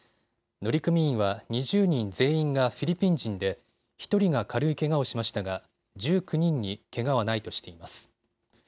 乗組員は２０人全員がフィリピン人で１人が軽いけがをしましたが１９人にけがはないとしています。